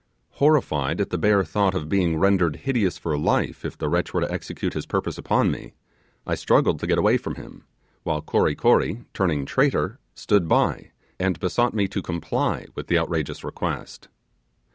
Horrified at the bare thought of being rendered hideous for life if the wretch were to execute his purpose upon me, I struggled to get away from him, while Kory Kory, turning traitor, stood by, and besought me to comply with the outrageous request.